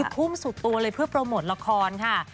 ทุ่มสุดตัวเลยเพื่อโปรโมทละครค่ะ